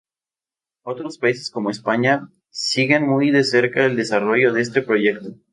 Otros países como España siguen muy de cerca el desarrollo de este proyecto.